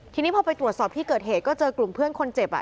ทีนี้พอไปตรวจสอบที่เกิดเหตุก็เจอกลุ่มเพื่อนคนเจ็บ